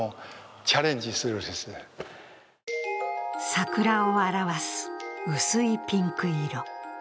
桜を表す薄いピンク色。